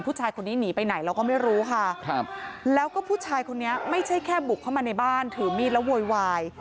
ผู้ชายคนนี้หนีไปไหนเราก็ไม่รู้ค่ะครับแล้วก็ผู้ชายคนนี้ไม่ใช่แค่บุกเข้ามาในบ้านถือมีดแล้วโวยวาย